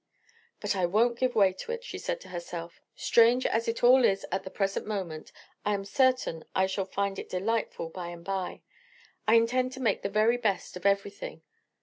"But I won't give way to it," she said to herself. "Strange as it all is at the present moment, I am certain I shall find it delightful by and by. I intend to make the very best of everything.